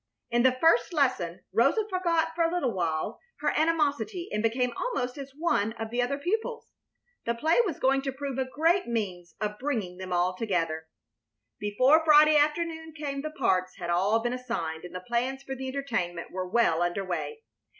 In the first lesson Rosa forgot for a little while her animosity and became almost as one of the other pupils. The play was going to prove a great means of bringing them all together. Before Friday afternoon came the parts had all been assigned and the plans for the entertainment were well under way.